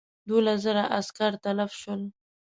دوولس زره عسکر تلف شول.